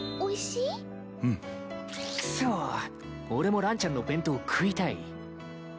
くそ俺もランちゃんの弁当食いたい。